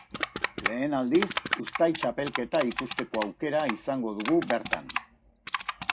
Lehen aldiz, uztai txapelketa ikusteko aukera izango dugu bertan.